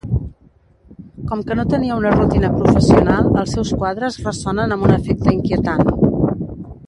Com que no tenia una rutina professional, els seus quadres ressonen amb un efecte inquietant.